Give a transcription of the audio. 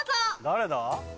誰だ？